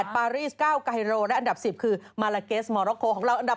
ปารีส๙ไกโรและอันดับ๑๐คือมาลาเกสมอร็อกโคของเราอันดับ